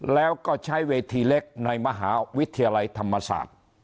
แล้วก็ใช้เวทีเล็กในมหาวิทยาลัยธรรมศาสตร์